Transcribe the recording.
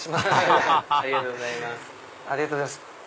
ハハハハありがとうございます。